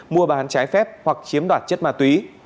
mua bán trái phép hoặc chiếm đoạt chất ma túy